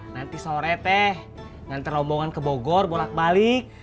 nanti sore teh nganter lombongan ke bogor bolak balik